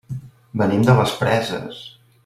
Venim de les Preses.